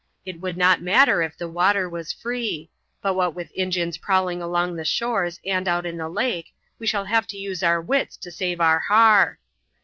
It would not matter if the water was free; but what with Injuns prowling along the shores and out on the lake, we shall have to use our wits to save our har.